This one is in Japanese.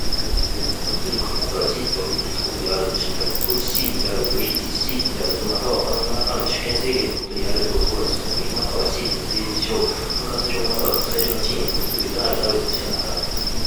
さらに、個人の属する国又は地域が独立国であると、信託統治地域であると、非自治地域であると、又は他のなんらかの主権制限の下にあるとを問わず、その国又は地域の政治上、管轄上又は国際上の地位に基づくいかなる差別もしてはならない。